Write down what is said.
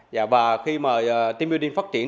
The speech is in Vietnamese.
và khi team building phát triển